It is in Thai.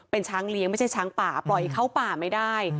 เป็นช้างเลี้ยงไม่ใช่ช้างป่าปล่อยเข้าป่าไม่ได้